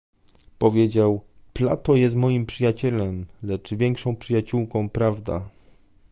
Powiedział "Plato jest moim przyjacielem, lecz większą przyjaciółką prawda"